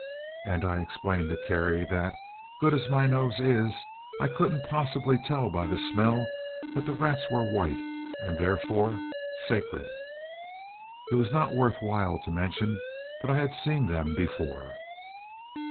And I explained to Kerry that, good as my nose is, I couldn't possibly tell by the smell that the rats were white, and, therefore, sacred. It was not worth while to mention that I had seen them before.